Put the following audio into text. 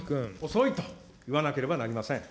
遅いと言わなければなりません。